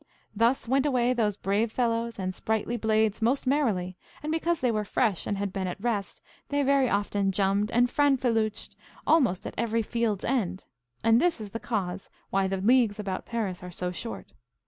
Thus went away those brave fellows and sprightly blades most merrily, and because they were fresh and had been at rest, they very often jummed and fanfreluched almost at every field's end, and this is the cause why the leagues about Paris are so short.